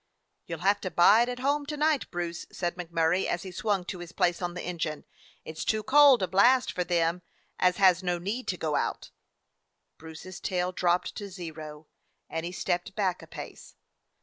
"You 'll have to bide at home to night, Bruce," said MacMurray, as he swung to his place on the engine. "It 's too cold a blast for them as has no need to go out." Bruce's tail dropped to zero, and he stepped back a pace.